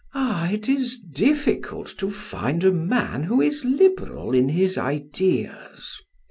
Ah, it is difficult to find a man who is liberal in his ideas!